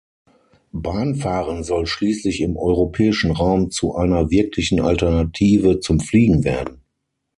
Bahn fahren soll schließlich im europäischen Raum zu einer wirklichen Alternative zum Fliegen werden.